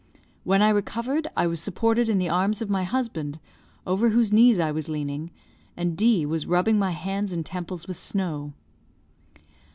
When I recovered, I was supported in the arms of my husband, over whose knees I was leaning, and D was rubbing my hands and temples with snow.